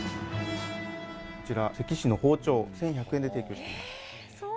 こちら、関市の包丁、１１００円で提供しております。